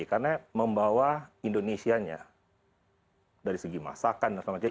karena membawa indonesia nya dari segi masakan dan semacamnya